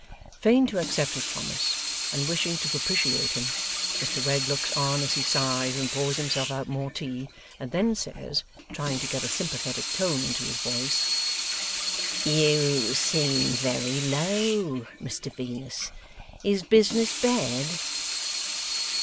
Fain to accept his promise, and wishing to propitiate him, Mr Wegg looks on as he sighs and pours himself out more tea, and then says, trying to get a sympathetic tone into his voice: 'You seem very low, Mr Venus. Is business bad?